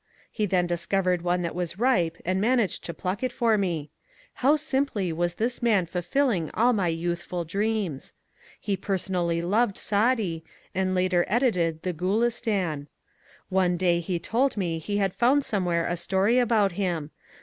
He then discovered one that was ripe and managed to pluck it for me. How simply was this man fulfilling all my youthful dreams ! He personally loved Saadi, and later edited the '^ Gulistan." One day he told me he had found somewhere a story about him.